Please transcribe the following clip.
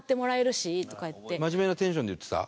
真面目なテンションで言ってた？